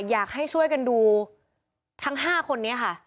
อยากให้ช่วยกันดูทั้ง๕คนนี้ค่ะ